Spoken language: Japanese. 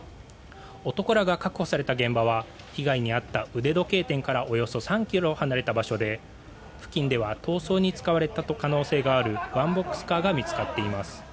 男らが確保された現場は被害に遭った腕時計店からおよそ３ｋｍ離れた場所で付近には逃走に使われた可能性があるワンボックスカーが見つかっています。